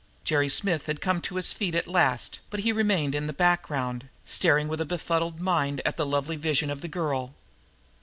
Jerry Smith had come to his feet at last, but he remained in the background, staring with a befuddled mind at the lovely vision of the girl.